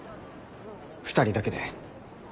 ２人だけで。